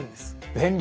便利！